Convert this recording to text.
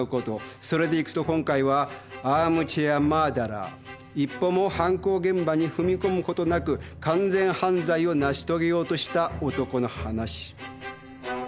それでいくと今回は「アームチェア・マーダラー」一歩も犯行現場に踏み込むことなく完全犯罪を成し遂げようとした男の話。